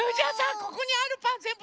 ここにあるパンぜんぶ